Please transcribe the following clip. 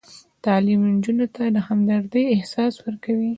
تعلیم نجونو ته د همدردۍ احساس ورکوي.